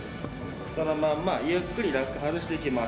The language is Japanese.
そのままゆっくり外していきます。